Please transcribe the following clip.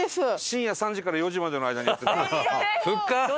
深夜３時から４時までの間にやってた。